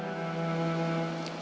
sampai jalan ke jalan